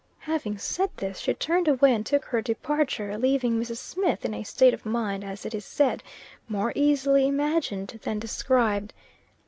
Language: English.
Having said this, she turned away and took her departure, leaving Mrs. Smith in a state of mind, as it is said, "more easily imagined than described."